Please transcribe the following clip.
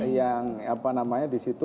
yang apa namanya di situ